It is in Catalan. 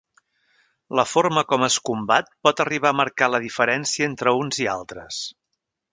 La forma com es combat pot arribar a marcar la diferència entre uns i altres.